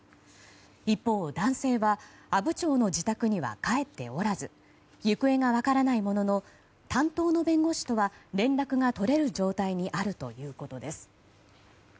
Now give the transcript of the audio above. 一方、男性は阿武町の自宅には帰っておらず行方が分からないものの担当の弁護士とは連絡が取れる状態にあるということです。